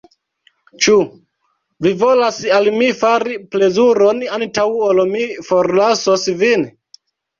Ĉu vi volas al mi fari plezuron, antaŭ ol mi forlasos vin?